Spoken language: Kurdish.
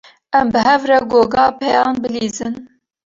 Em bi hev re goga pêyan bilîzin.